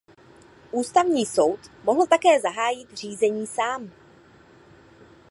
Ústavní soud mohl také zahájit řízení sám.